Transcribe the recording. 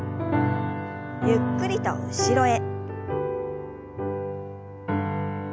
ゆっくりと後ろへ。